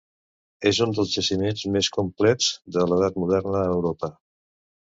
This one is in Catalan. És un dels jaciments més complets de l'edat moderna a Europa.